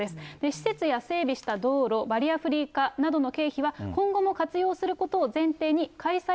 施設や整備した道路、バリアフリー化などの経費は今後も活用することを前提に開催